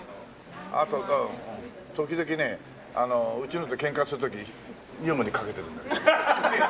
あと時々ねうちのと喧嘩する時女房にかけてるんだけどね。